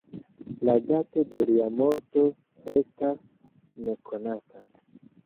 La dato de lia morto restas nekonata.